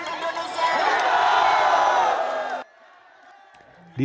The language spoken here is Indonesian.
ibadahal yang ta'akantar dengan